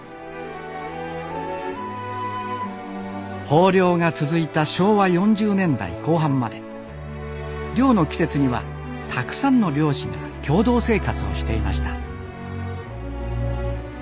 豊漁が続いた昭和４０年代後半まで漁の季節にはたくさんの漁師が共同生活をしていました。